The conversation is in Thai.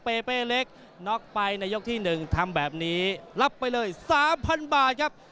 เปเป้เล็กน็อกไปในยกที่๑ทำแบบนี้รับไปเลย๓๐๐บาทครับ